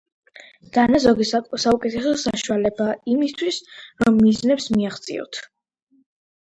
დანაზოგი საუკეთესო საშუალებაა იმისთვის, რომ მიზნებს მიაღწიოთ.